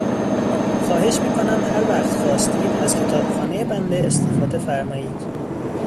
خواهش میکنم هر وقت خواستید از کتابخانهی بنده استفاده فرمایید.